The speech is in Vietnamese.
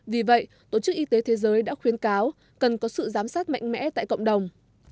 vì vậy tổ chức y tế thế giới đã khuyến cáo cần có sự giám sát mạnh mẽ tại cộng đồng